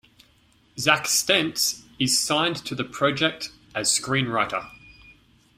Zack Stentz is signed to the project as screenwriter.